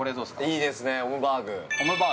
◆いいですね、オムバーグ。